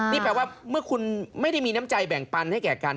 นี่แปลว่าเมื่อคุณไม่ได้มีน้ำใจแบ่งปันให้แก่กัน